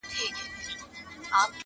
څاڅکی ومه ورک سوم پیمانې را پسي مه ګوره -